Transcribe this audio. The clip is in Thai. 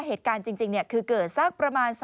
เหตุการณ์จริงคือเกิดสักประมาณ